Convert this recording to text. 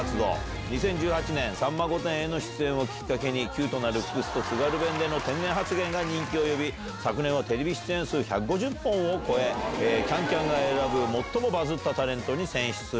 ２０１８年、さんま御殿！への出演をきっかけに、キュートなルックスと津軽弁での天然発言が人気を呼び、昨年はテレビ出演数１５０本を超え、ＣａｎＣａｍが選ぶ最もバズったタレントに選出。